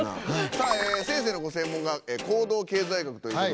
さあ先生のご専門が行動経済学ということで。